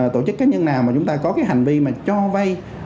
tổ chức cá nhân nào mà chúng ta có hành vi cho bay